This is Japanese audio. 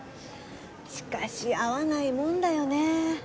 しかし会わないもんだよねえ。